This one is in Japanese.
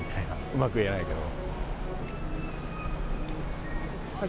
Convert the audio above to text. うまく言えないけど。